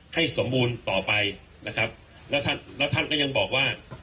ให้สมบูรณ์ต่อไปนะครับแล้วท่านแล้วท่านก็ยังบอกว่า